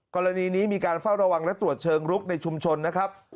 กรณีนี้มีการเฝ้าระวังและตรวจเชิงลุกในชุมชนนะครับ